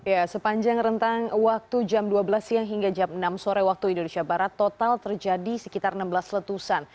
ya sepanjang rentang waktu jam dua belas siang hingga jam enam sore waktu indonesia barat total terjadi sekitar enam belas letusan